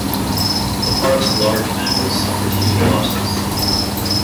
The park's large mammals suffered huge losses.